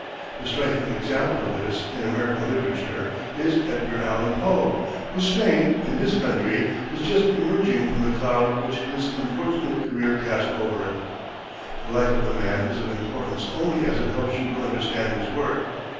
The striking example of this, in American literature, is Edgar Allan Poe, whose fame, in this country, is just emerging from the cloud which his unfortunate career cast over it. The life of the man is of importance only as it helps you to understand his work.